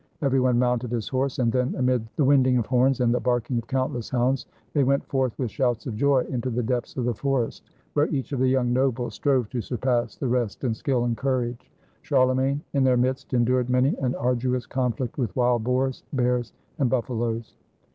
Every one mounted his horse, and then, amid the winding of horns and the barking of countless hounds, they went forth with shouts of joy into the depths of the forest, where each of the young nobles strove to surpass the rest in skill and courage. Charle magne in their midst endured many an arduous conflict with wild boars, bears, and buffaloes.